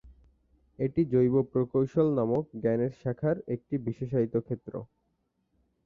এটি জৈব প্রকৌশল নামক জ্ঞানের শাখার একটি বিশেষায়িত ক্ষেত্র।